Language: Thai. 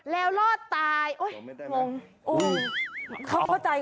ต้องลอดตาย